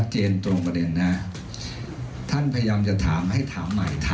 จะไปร่วมกับพลักษณ์ประชารักษณ์มั้ยคะ